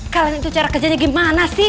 kalian itu cara kerjanya gimana sih